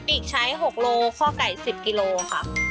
อีกใช้๖โลข้อไก่๑๐กิโลค่ะ